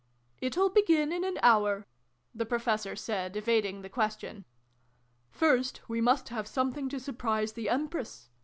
" It'll begin in an hour," the Professor said, evading the question. " First, we must have something to surprise the Empress.